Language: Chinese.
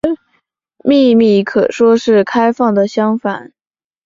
秘密可说是开放的相反。